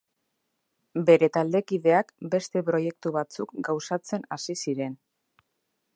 Bere taldekideak beste proiektu batzuk gauzatzen hasi ziren.